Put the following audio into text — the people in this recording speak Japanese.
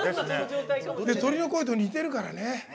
鳥の声と似てるからね。